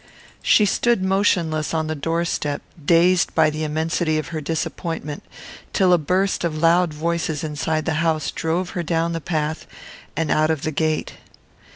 She stood motionless on the door step, dazed by the immensity of her disappointment, till a burst of loud voices inside the house drove her down the path and out of the gate.